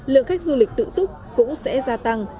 lượng khách du lịch tự túc cũng sẽ gia tăng